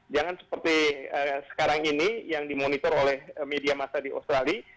jangan seperti sekarang ini yang dimonitor oleh media masa di australia